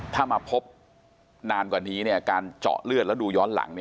ถ้ามาพบนานกว่านี้การเจาะเลือดแล้วดูย้อนหลัง